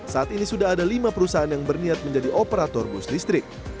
saat ini sudah ada lima perusahaan yang berniat menjadi operator bus listrik